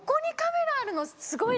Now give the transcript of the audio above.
すごい！